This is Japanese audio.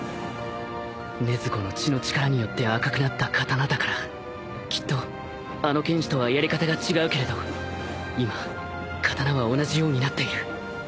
禰豆子の血の力によって赤くなった刀だからきっとあの剣士とはやり方が違うけれど今刀は同じようになっている